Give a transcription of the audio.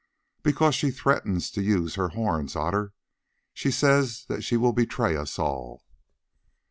"Because she threatens to use her horns, Otter. She says that she will betray us all."